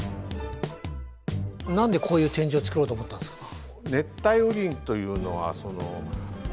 何でこういう展示を作ろうと思ったんですか？